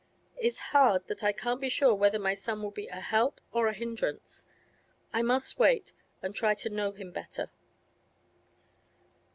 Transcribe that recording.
It's hard that I can't be sure whether my son will be a help or a hindrance. I must wait, and try to know him better.